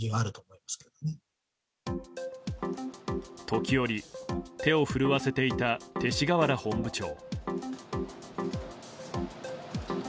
時折、手を震わせていた勅使河原本部長。